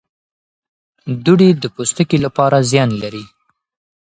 دوړې د پوستکي لپاره زیان لري.